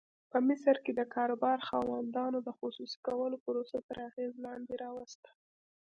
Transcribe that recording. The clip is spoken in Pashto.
په مصر کې د کاروبار خاوندانو د خصوصي کولو پروسه تر اغېز لاندې راوسته.